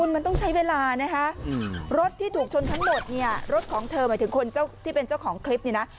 มันต้องใช้เวลานะคะรถที่ถูกชนทั้งหมดเนี่ยรถของเธอหมายถึงคนที่เป็นเจ้าของคลิปเนี่ยนะ